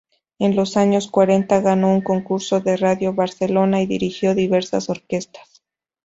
En los años cuarenta ganó un concurso de Radio Barcelona y dirigió diversas orquestas.